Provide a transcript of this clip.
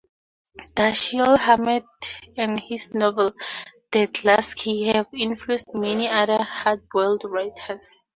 Dashiell Hammett and his novel "The Glass Key" have influenced many other hardboiled writers.